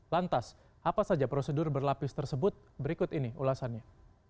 lantas apa saja prosedur berlapis tersebut berikut ini ulasannya